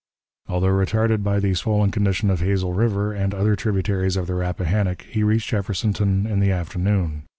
Although retarded by the swollen condition of Hazel River and other tributaries of the Rappahannock, he reached Jeffersonton in the afternoon.